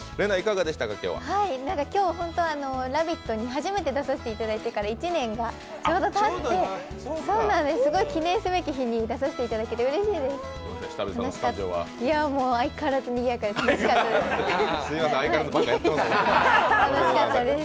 今日、本当は「ラヴィット！」に初めて出させていただいてから１年がちょうどたって、すごい記念すべき日に出させていただいてうれしかったです。